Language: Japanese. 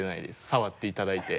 触っていただいて。